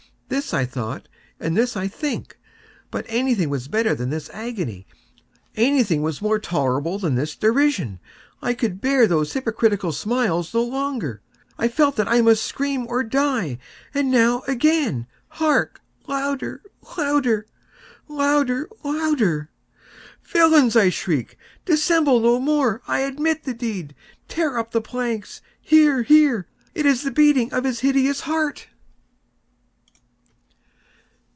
—this I thought, and this I think. But anything was better than this agony! Anything was more tolerable than this derision! I could bear those hypocritical smiles no longer! I felt that I must scream or die! and now—again!—hark! louder! louder! louder! louder! "Villains!" I shrieked, "dissemble no more! I admit the deed!—tear up the planks!—here, here!—It is the beating of his hideous heart!"